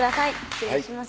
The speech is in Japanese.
失礼します